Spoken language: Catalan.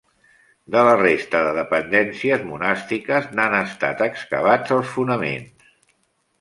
De la resta de dependències monàstiques n'han estat excavats els fonaments.